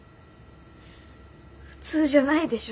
普通じゃないでしょ。